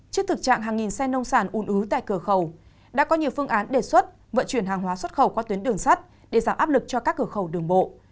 trước thực trạng hàng nghìn xe nông sản un ứ tại cửa khẩu đã có nhiều phương án đề xuất vận chuyển hàng hóa xuất khẩu qua tuyến đường sắt để giảm áp lực cho các cửa khẩu đường bộ